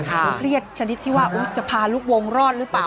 เครียดชนิดที่ว่าจะพาลูกวงรอดหรือเปล่า